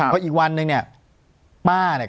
พออีกวันนึงเนี่ยป้าเนี่ย